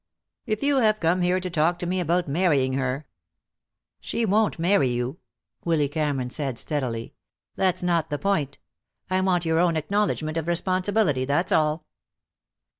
"If you have come here to talk to me about marrying her " "She won't marry you," Willy Cameron said steadily. "That's not the point I want your own acknowledgment of responsibility, that's all."